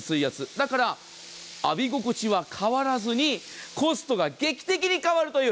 だから浴び心地は変わらずにコストが劇的に変わるという。